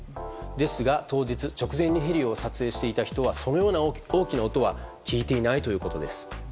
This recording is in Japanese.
ですが、当日直前にヘリを撮影していた人はそのような大きな音は聞いていないということです。